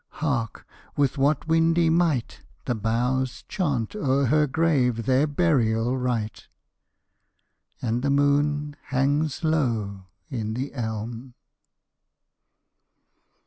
Hark! with what windy might The boughs chant o'er her grave their burial rite! _And the moon hangs low in the elm.